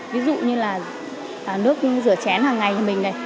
ví dụ như là nước rửa chén hàng ngày mình này